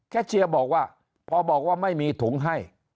เชียร์บอกว่าพอบอกว่าไม่มีถุงให้